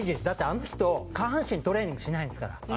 だってあの人下半身トレーニングしないんですから。